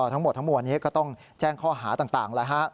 ทั้งหมดทั้งหมวลก็ต้องแจ้งข้อหาต่างแล้ว